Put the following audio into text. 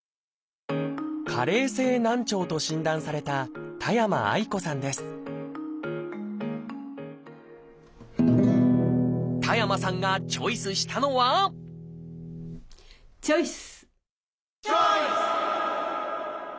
「加齢性難聴」と診断された田山さんがチョイスしたのはチョイス！